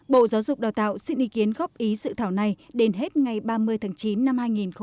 bộ giáo dục đào tạo xin ý kiến góp ý sự thảo này đến hết ngày ba mươi tháng chín năm hai nghìn hai mươi